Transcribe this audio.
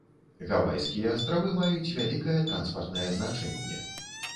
Гавайскія астравы маюць вялікае транспартнае значэнне.